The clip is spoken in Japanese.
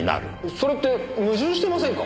それって矛盾してませんか？